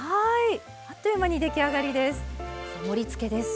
あっという間に出来上がりです。